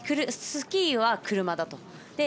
スキーは車だと。